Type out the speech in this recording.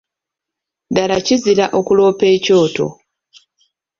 Ddala kizira okuloopa ekyoto.